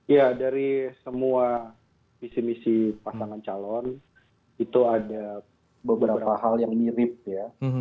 ya dari semua visi misi pasangan calon itu ada beberapa hal yang mirip ya